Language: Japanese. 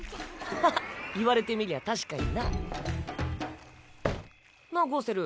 ははっ言われてみりゃ確かにな。なあゴウセル。